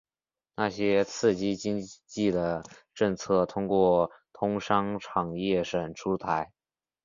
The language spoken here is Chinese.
那些刺激经济的政策通过通商产业省出台。